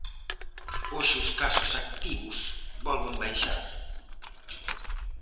Hoxe os casos activos volven baixar.